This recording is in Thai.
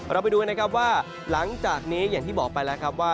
เราไปดูกันนะครับว่าหลังจากนี้อย่างที่บอกไปแล้วครับว่า